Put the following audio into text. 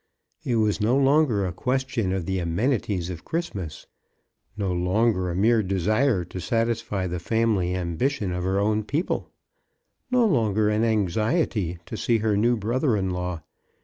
It was no longer a question of the amenities of Christmas, no longer a mere desire to satisfy the family ambition of her own people, no longer an anxiety to see her new brother in law.